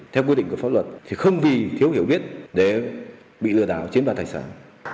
theo quy định của pháp luật thì không vì thiếu hiểu biết để bị lừa đảo chiếm đoạt tài sản